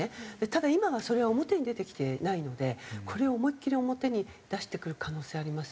ただ今はそれは表に出てきてないのでこれを思いっきり表に出してくる可能性ありますね。